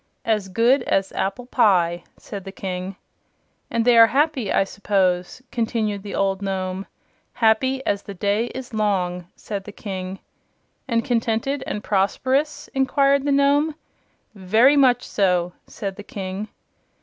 "As good as apple pie," said the King. "And they are happy, I suppose?" continued the old Nome. "Happy as the day is long," said the King. "And contented and prosperous?" inquired the Nome. "Very much so," said the King.